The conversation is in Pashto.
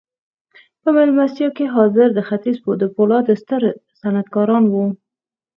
په مېلمستیا کې حاضر د ختیځ د پولادو ستر صنعتکاران وو